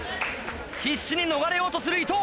必死に逃れようとする伊藤。